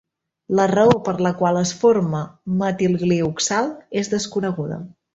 La raó per la qual es forma metilglioxal és desconeguda.